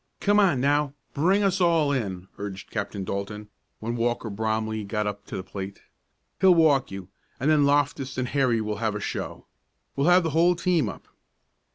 "Come on now, bring us all in!" urged Captain Dalton, when Walker Bromley got up to the plate. "He'll walk you, and then Loftus and Harry will have a show. We'll have the whole team up."